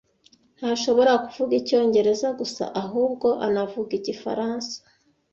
Ntashobora kuvuga icyongereza gusa ahubwo anavuga igifaransa.